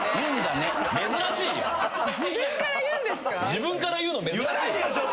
自分から言うの珍しい。